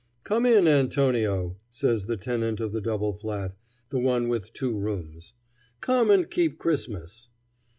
"Come in, Antonio," says the tenant of the double flat, the one with two rooms, "come and keep Christmas."